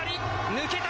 抜けた！